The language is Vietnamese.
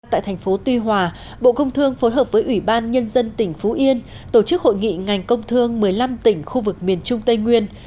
tại thành phố tuy hòa bộ công thương phối hợp với ủy ban nhân dân tỉnh phú yên tổ chức hội nghị ngành công thương một mươi năm tỉnh khu vực miền trung tây nguyên